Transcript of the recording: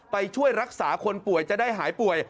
ไปช่วยรักษาคนป่วยจะได้หายป่วย